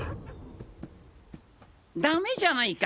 ダメじゃないか！